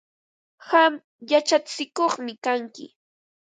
Qam yachatsikuqmi kanki.